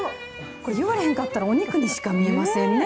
これ、言われへんかったら、お肉にしか見えませんね。